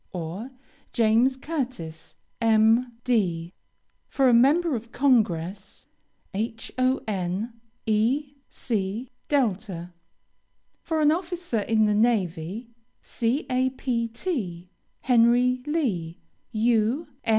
or, JAMES CURTIS, M.D. For a member of Congress: HON. E. C. DELTA. For an officer in the navy: CAPT. HENRY LEE, U.